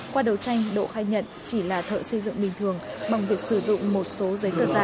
qua đầu tranh độ khai nhận chỉ là thợ xây dựng bình thường bằng việc sử dụng một số giấy tờ giả